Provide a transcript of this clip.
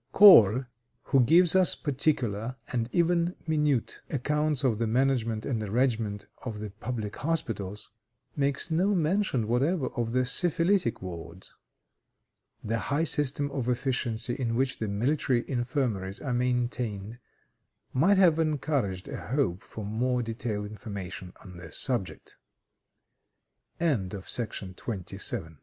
Kohl, who gives us particular, and even minute accounts of the management and arrangement of the public hospitals, makes no mention whatever of the syphilitic wards. The high system of efficiency in which the military infirmaries are maintained might have encouraged a hope for more detailed information on this subject. CHAPTER XXII.